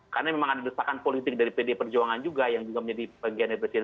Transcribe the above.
karena memang ada desakan politik dari pd perjuangan juga yang juga menjadi bagian dari presiden